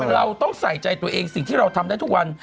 เราต้องใส่ใจตัวเองสิ่งที่เราทำได้ทุกวัน